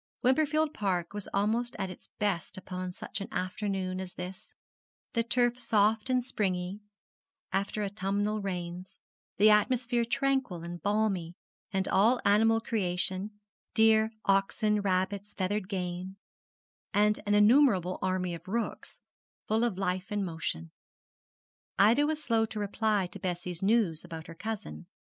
Wimperfield Park was almost at its best upon such an afternoon as this, the turf soft and springy after autumnal rains, the atmosphere tranquil and balmy, and all animal creation deer, oxen, rabbits, feathered game, and an innumerable army of rooks full of life and motion. Ida was slow to reply to Bessie's news about her cousin.